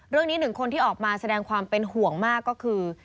หนึ่งคนที่ออกมาแสดงความเป็นห่วงมากก็คือ